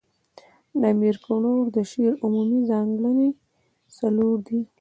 د امیر کروړ د شعر عمومي ځانګړني څلور دي.